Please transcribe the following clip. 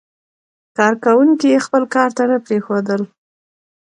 کارکوونکي خپل کار ته نه پرېښودل.